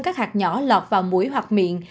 các hạt nhỏ lọt vào mũi hoặc miệng